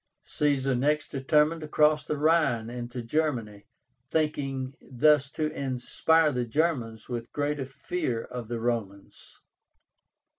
Caesar next determined to cross the Rhine into Germany, thinking thus to inspire the Germans with greater fear of the Romans.